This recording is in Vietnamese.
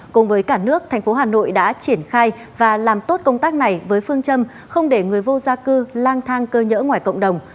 cùng với cả nước thành phố hà nội đã triển khai và làm tốt công tác này với phương châm không để người vô gia cư lang thang cơ nhỡ ngoài cộng đồng